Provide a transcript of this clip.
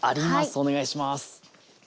お願いします。